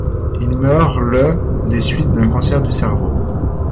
Il meurt le des suites d'un cancer du cerveau.